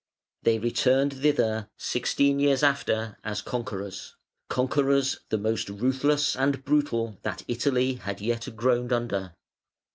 They returned thither sixteen years after as conquerors, conquerors the most ruthless and brutal that Italy had yet groaned under.